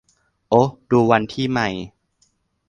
โอ๊ะ ดูวันที่ใหม่